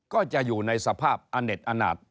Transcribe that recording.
ก็จะอยู่ในสภาพอเน็ตอนาจ